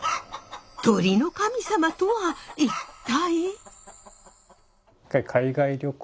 鳥の神様とは一体？